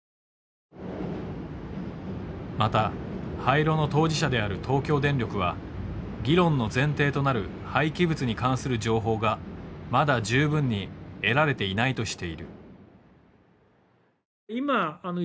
また廃炉の当事者である東京電力は議論の前提となる廃棄物に関する情報がまだ十分に得られていないとしている。